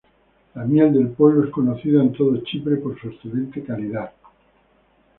La miel del pueblo es conocida en todo Chipre por su excelente calidad.